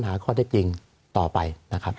สวัสดีครับทุกคน